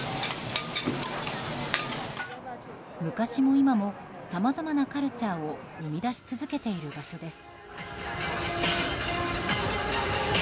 昔も今もさまざまなカルチャーを生み出し続けている場所です。